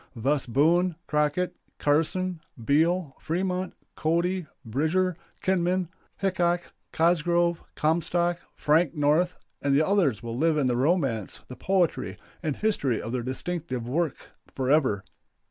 Thus Boone, Crocket, Carson, Beal, Fremont, Cody, Bridger, Kinman, Hickok, Cosgrove, Comstock, Frank North, and others will live in the romance, the poetry, and history of their distinctive work forever.